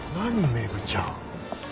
メグちゃん。